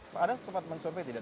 pada sempat men sobek tidak